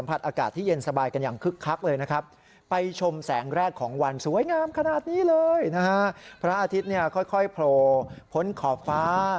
พระอาทิตย์เนี่ยค่อยโผล่พ้นขอบฟ้า